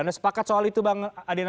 anda sepakat soal itu bang adena